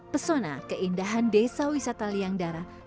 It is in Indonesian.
pesona keindahan desa wisata liang darat